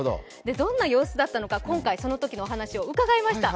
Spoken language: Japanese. どんな様子だったのか今回そのときの様子を伺いました。